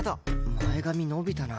前髪伸びたな。